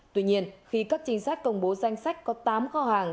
tuy nhiên khi các chính sách công bố danh sách có tám kho hàng